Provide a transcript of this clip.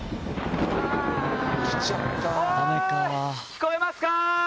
聞こえますか？